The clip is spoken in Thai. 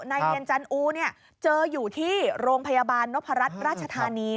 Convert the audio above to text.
ในเย็นจันทร์อู๋เจออยู่ที่โรงพยาบาลนพรรดิรัชธานี